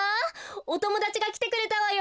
おともだちがきてくれたわよ！